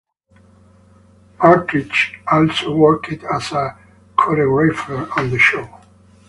Partridge also worked as a choreographer on the show.